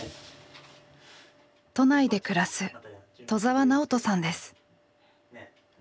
都内で暮らす戸澤直人さんです。